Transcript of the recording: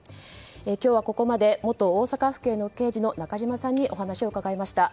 今日はここまで元大阪府警刑事の中島さんにお話を伺いました。